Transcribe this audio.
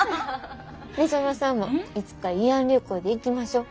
御園さんもいつか慰安旅行で行きましょう。